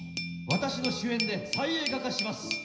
私の主演で再映画化します。